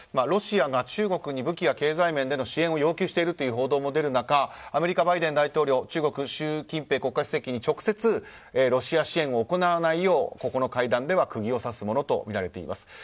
ロシアが中国に武器や経済面での支援を要求しているとの報道も出る中アメリカ、バイデン大統領中国習国家主席に直接支援を行わないよう釘を刺すものとみられています。